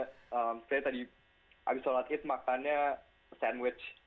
saya tadi habis sholat eat makannya sandwich